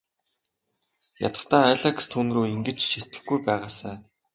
Ядахдаа Алекс түүнрүү ингэж ширтэхгүй байгаасай.